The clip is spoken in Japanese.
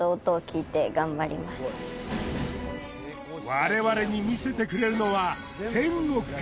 我々に見せてくれるのは天国か？